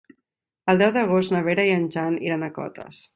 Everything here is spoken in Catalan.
El deu d'agost na Vera i en Jan iran a Cotes.